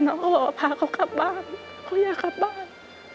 น้องก็บอกว่าพากับเขาคลับบ้านเขาอยากคลับบ้าน